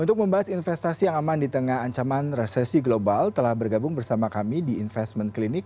untuk membahas investasi yang aman di tengah ancaman resesi global telah bergabung bersama kami di investment clinic